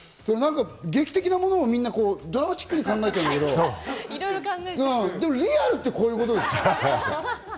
劇的なものをみんな、ドラマチックに考えてるけど、でも、リアルってこういうことですよ。